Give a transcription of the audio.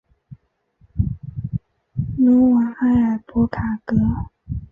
努瓦埃尔博卡格。